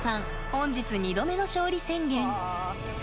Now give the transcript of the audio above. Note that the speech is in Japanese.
本日２度目の勝利宣言。